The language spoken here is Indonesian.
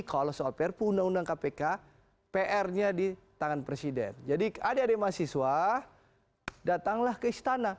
kalau soal perpu undang undang kpk pr nya di tangan presiden jadi adik adik mahasiswa datanglah ke istana